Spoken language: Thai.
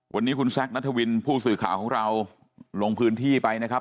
วันนี้คุณแซคนัทวินผู้สื่อข่าวของเราลงพื้นที่ไปนะครับ